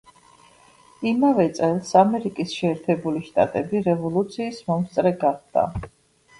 იმავე წელს ამერიკის შეერთებული შტატები რევოლუციის მომსწრე გახდა.